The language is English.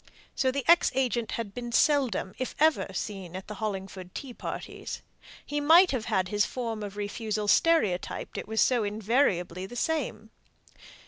So the ex agent had been seldom, if ever, seen at the Hollingford tea parties. He might have had his form of refusal stereotyped, it was so invariably the same.